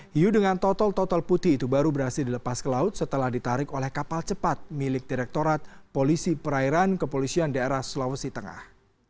hiu dengan total totol putih itu baru berhasil dilepas ke laut setelah ditarik oleh kapal cepat milik direktorat polisi perairan kepolisian daerah sulawesi tengah